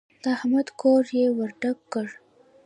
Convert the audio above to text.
د احمد کور يې ور ډاک کړ.